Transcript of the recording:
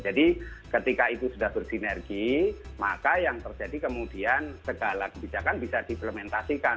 jadi ketika itu sudah bersinergi maka yang terjadi kemudian segala kebijakan bisa di implementasikan